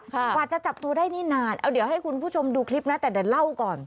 กว่าจะจับตัวได้นี่นานเอาเดี๋ยวให้คุณผู้ชมดูคลิปนะแต่เดี๋ยวเล่าก่อน